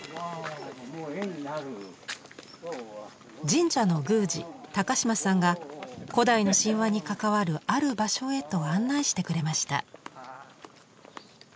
神社の宮司島さんが古代の神話に関わるある場所へと案内してくれました。